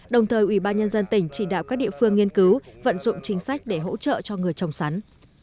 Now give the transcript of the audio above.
đồng thời ubnd tỉnh chỉ đạo các địa phương nghiên cứu vận dụng chính sách để hỗ trợ cho người trồng sắn